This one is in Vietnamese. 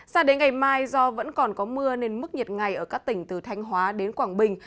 sao đến ngày mai do vẫn còn có mưa nên mức nhiệt ngày ở các tỉnh từ thanh hóa đến quảng bình